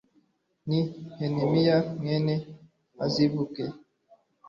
ni nehemiya mwene azibuki